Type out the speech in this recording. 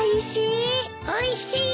おいしい。